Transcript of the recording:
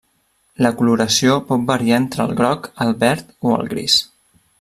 La coloració pot variar entre el groc, el verd o el gris.